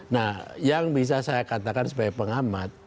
nah yang bisa saya katakan sebagai pengamat